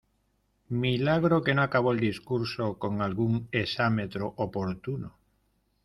Milagro que no acabó el discurso con algún exámetro oportuno.